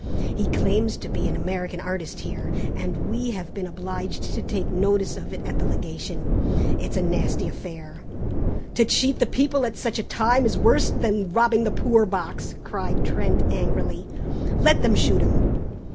He claims to be an American artist here, and we have been obliged to take notice of it at the Legation. It's a nasty affair." "To cheat the people at such a time is worse than robbing the poor box," cried Trent angrily. "Let them shoot him!"